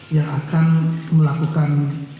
yang akan melakukan